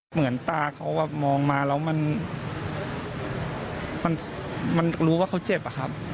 เหมือนตาเขามองมาแล้วมันรู้ว่าเขาเจ็บอะครับ